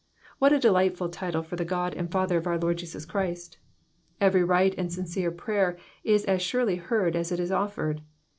What a delightful tide for the God and Father of our Lord Jesus Christ ! Every right and sincere prayer is as surely heard as it is offered.